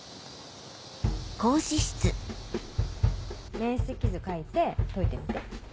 面積図描いて解いてみて。